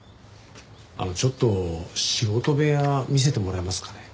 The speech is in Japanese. あのちょっと仕事部屋見せてもらえますかね？